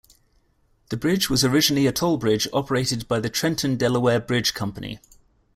The bridge was originally a toll bridge operated by the Trenton Delaware Bridge Company.